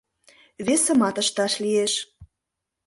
Весымат ышташ лиеш.